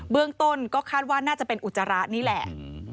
เบื้องต้นก็คาดว่าน่าจะเป็นอุจจาระนี่แหละ